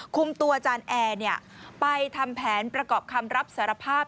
คุมตัวอาจารย์แอร์ไปทำแผนประกอบคำรับสารภาพ